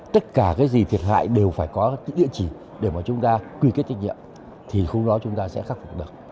tất cả cái gì thiệt hại đều phải có những địa chỉ để mà chúng ta quy kết trách nhiệm thì không đó chúng ta sẽ khắc phục được